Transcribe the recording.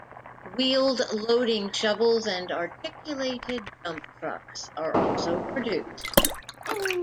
Wheeled loading shovels and articulated dump trucks are also produced.